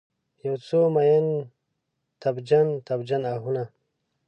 یوڅو میین، تبجن، تبجن آهونه